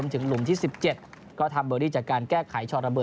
๒หลุมติดต่อกันครับ